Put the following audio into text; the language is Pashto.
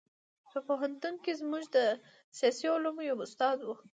په پوهنتون کې زموږ د سیاسي علومو یو استاد و.